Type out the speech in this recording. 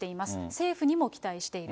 政府にも期待している。